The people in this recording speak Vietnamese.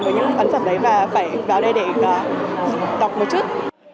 với những ấn phẩm đấy và phải vào đây để đọc một chút